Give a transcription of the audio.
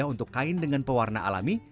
untuk kain dengan pewarna alami